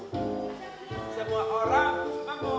semua orang menggubarnya